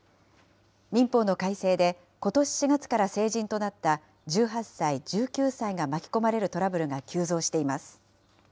民法の改正でことし４月から成人となった１８歳、１９歳が巻き込まれるトラブルが急増しています。